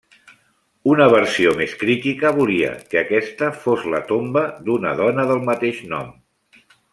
Una versió més crítica volia que aquesta fos la tomba d'una dona del mateix nom.